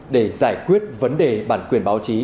để giải quyết vấn đề bản quyền báo chí